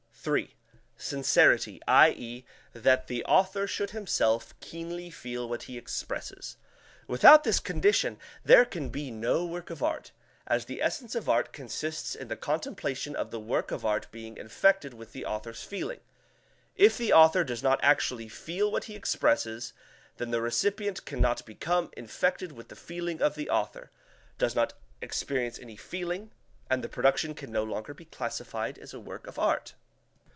(3) Sincerity, i.e., that the author should himself keenly feel what he expresses. Without this condition there can be no work of art, as the essence of art consists in the contemplation of the work of art being infected with the author's feeling. If the author does not actually feel what he expresses, then the recipient can not become infected with the feeling of the author, does not experience any feeling, and the production can no longer be classified as a work of art.